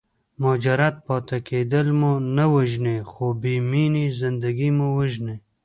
مجرد پاتې کېدل مو نه وژني خو بې مینې زندګي مو وژني.